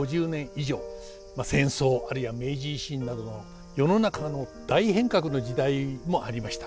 まあ戦争あるいは明治維新などの世の中の大変革の時代もありました。